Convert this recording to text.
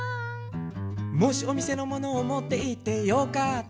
「もしお店のものをもっていってよかったら？」